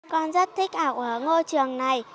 con rất thích học ở ngôi trường này